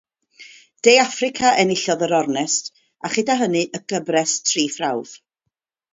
De Affrica enillodd yr ornest, a chyda hynny, y gyfres tri Phrawf.